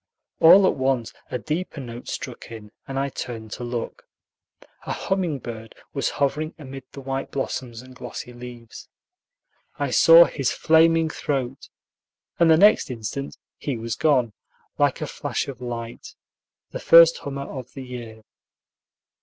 All at once a deeper note struck in, and I turned to look. A humming bird was hovering amid the white blossoms and glossy leaves. I saw his flaming throat, and the next instant he was gone, like a flash of light, the first hummer of the year.